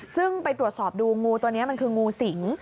ซึ่งไปตรวจสอบดูงูตัวนี้มันคืองูสิง